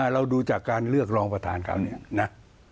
เราดูจากการเลือกรองประธานเขาเนี่ยนะ